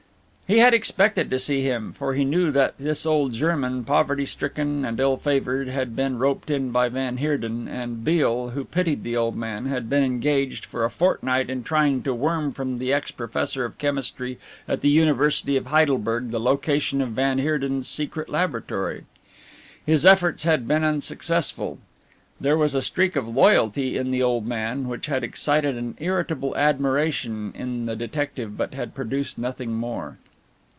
He had expected to see him, for he knew that this old German, poverty stricken and ill favoured, had been roped in by van Heerden, and Beale, who pitied the old man, had been engaged for a fortnight in trying to worm from the ex professor of chemistry at the University of Heidelberg the location of van Heerden's secret laboratory. His efforts had been unsuccessful. There was a streak of loyalty in the old man, which had excited an irritable admiration in the detective but had produced nothing more.